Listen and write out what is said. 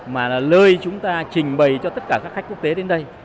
mà là lơi chúng ta trình bày cho tất cả các khách quốc tế đến đây